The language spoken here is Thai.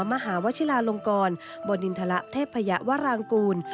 มหาวชิลาลงกรบดินทรเทพยวรางกูล